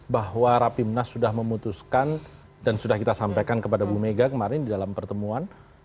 bahwa rapimnas sudah memutuskan dan sudah kita sampaikan kepada bu mega kemarin di dalam pertemuan